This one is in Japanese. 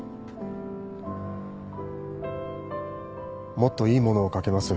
もっといいものを描けます